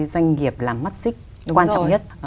doanh nghiệp là mắt xích quan trọng nhất